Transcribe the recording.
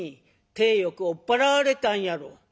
体よく追っ払われたんやろ」。